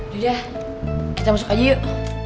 udah kita masuk aja yuk